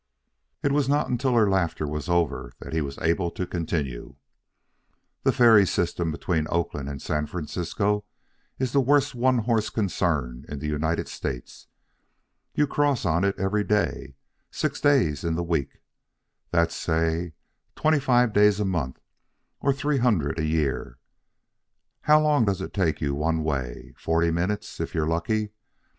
It was not until her laughter was over that he was able to continue. "The ferry system between Oakland and San Francisco is the worst one horse concern in the United States. You cross on it every day, six days in the week. That's say, twenty five days a month, or three hundred a year. How long does it take you one way? Forty minutes, if you're lucky.